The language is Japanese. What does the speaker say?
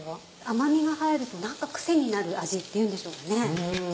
甘みが入ると何か癖になる味っていうんでしょうかね。